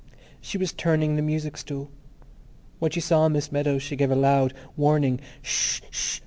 She was turning the music stool. When she saw Miss Meadows she gave a loud, warning "Sh sh!